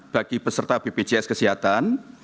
bagi peserta bpjs kesehatan